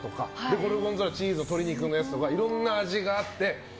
ゴルゴンゾーラチーズ鶏肉のやつとかいろんな味があって。